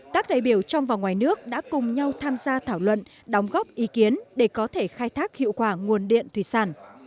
các đại biểu trong và ngoài nước đã cùng nhau tham gia thảo luận đóng góp ý kiến để có thể khai thác hiệu quả nguồn điện thủy sản